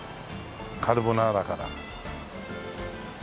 カルボナーラから。